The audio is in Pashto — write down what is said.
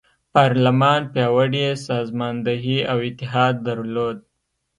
پارلمان پیاوړې سازماندهي او اتحاد درلود.